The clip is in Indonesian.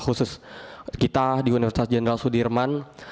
khusus kita di universitas jenderal sudirman